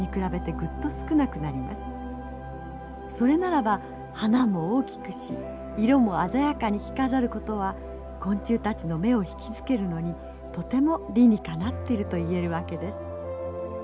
それならば花も大きくし色も鮮やかに着飾ることは昆虫たちの目を引きつけるのにとても理にかなってるといえるわけです。